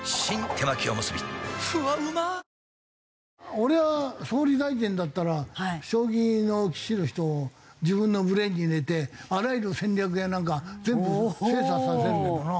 手巻おむすびふわうま俺は総理大臣だったら将棋の棋士の人を自分のブレーンに入れてあらゆる戦略やなんか全部精査させるんだけどな。